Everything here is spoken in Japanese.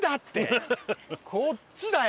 こっちだよ！